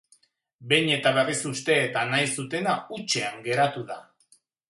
Behin eta berriz uste eta nahi zutena hutsean geratu da.